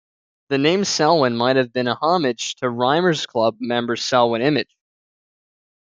The name "Selwyn" might have been an homage to Rhymers' Club member Selwyn Image.